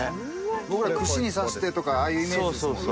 僕らは串に刺してとかああいうイメージですもんね。